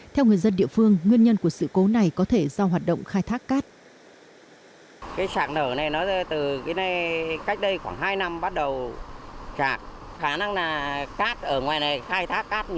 theo người dân địa phương nguyên nhân của sự cố này có thể do hoạt động khai thác cát